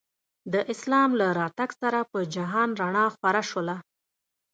د اسلام له راتګ سره په جهان رڼا خوره شوله.